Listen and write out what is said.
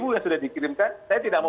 yang sudah dikirimkan saya tidak mau